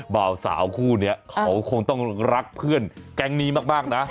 บ่าวสาวคู่นี้เขาคงต้องรักเพื่อนแก๊งนี้มากนะ